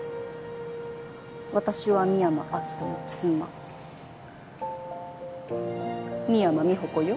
私は深山明人の妻深山美保子よ。